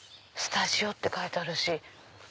スタジオって書いてあるし。